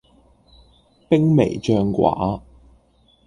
兵微將寡